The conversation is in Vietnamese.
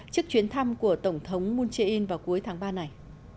trước chuyến thăm của tổng thống moon jae in vào cuối tháng ba này